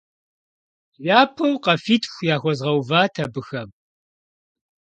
Япэу къафитху яхуэзгъэуват абыхэм.